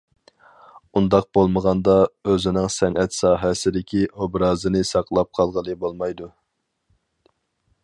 ئۇنداق بولمىغاندا ئۆزىنىڭ سەنئەت ساھەسىدىكى ئوبرازىنى ساقلاپ قالغىلى بولمايدۇ.